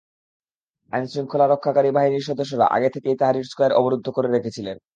আইনশৃঙ্খলা রক্ষাকারী বাহিনীর সদস্যরা আগে থেকেই তাহরির স্কয়ার অবরুদ্ধ করে রেখেছিলেন।